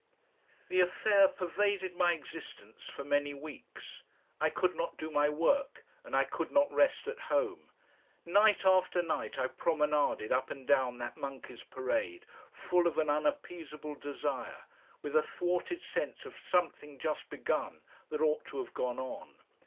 The affair pervaded my existence for many weeks. I could not do my work and I could not rest at home. Night after night I promenaded up and down that Monkeys' Parade full of an unappeasable desire, with a thwarted sense of something just begun that ought to have gone on.